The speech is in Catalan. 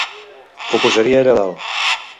Ho posaria allà dalt!